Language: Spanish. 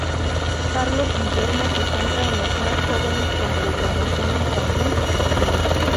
Carlos-Guillermo se centra en los más jóvenes con programación infantil y juvenil.